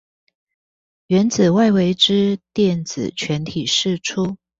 原子外圍之電子全體釋出